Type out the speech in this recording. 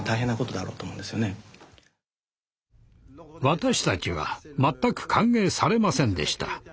私たちは全く歓迎されませんでした。